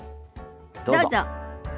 どうぞ。